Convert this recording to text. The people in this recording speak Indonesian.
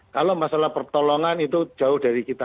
kalau masalah pertolongan itu jauh dari kita